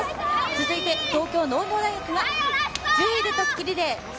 続いて東京農業大学は１０位で襷リレー。